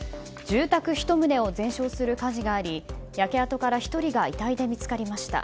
住宅１棟を全焼する火事があり焼け跡から１人が遺体で見つかりました。